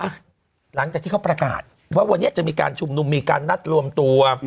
หลังจากที่เขาประกาศว่าวันนี้จะมีการชุมนุมมีการนัดรวมตัว